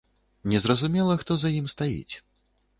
Незразумела, хто за ім стаіць.